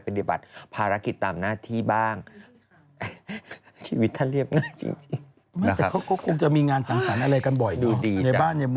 ปฏิบัติภาระกิจตามหน้าที่บ้างชีวิตท่านเรียบง่ายจริงแต่เขาก็คงจะมีงานสังหรัฐอะไรกันบ่อยดูดีในบ้านเนี่ย